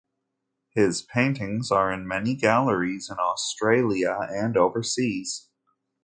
His paintings are in many galleries in Australia and overseas.